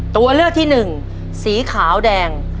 ตัวเลือกที่หนึ่งสีขาวแดง